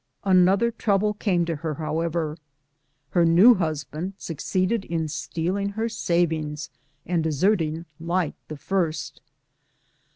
Another trouble came to her, however : her new husband succeeded in stealing her savings and deserting like the first.